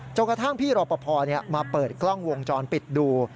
กระทั่งพี่รอปภมาเปิดกล้องวงจรปิดดู